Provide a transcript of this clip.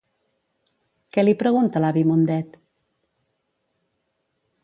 Què li pregunta l'avi Mundet?